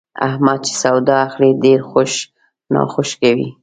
احمد چې سودا اخلي، ډېر خوښ ناخوښ کوي.